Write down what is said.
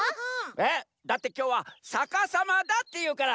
えっ？だってきょうはさかさまだっていうから。